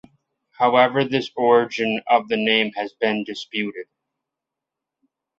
However this origin of the name has been disputed.